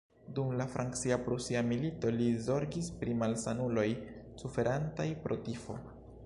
Dum la Francia-Prusia Milito li zorgis pri malsanuloj suferantaj pro tifo.